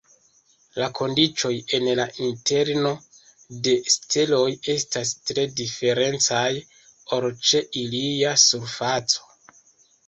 La kondiĉoj en la interno de steloj estas tre diferencaj ol ĉe ilia surfaco.